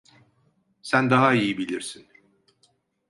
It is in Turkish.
Sen daha iyi bilirsin.